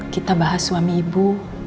kita bahas suami ibu